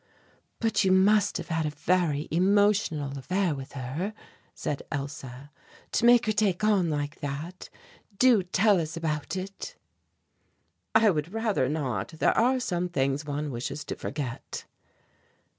"But you must have had a very emotional affair with her," said Elsa, "to make her take on like that. Do tell us about it." "I would rather not; there are some things one wishes to forget."